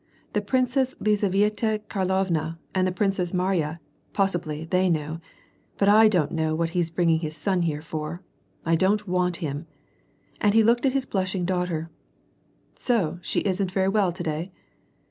The Prin cess Lizavieta Karlovna and the Princess Mariya, possibly, they know, but I don't know what he's bringing his son here for ; I don't want him." And he looked at his blushing daugh ter. "So she isn't very well to day